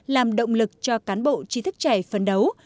làm động lực cho cán bộ trí thức trẻ phấn đấu